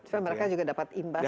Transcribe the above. tapi mereka juga dapat imbas dari